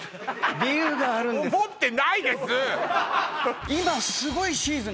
理由があるんです思ってないですえっ？